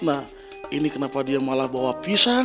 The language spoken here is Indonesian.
nah ini kenapa dia malah bawa pisang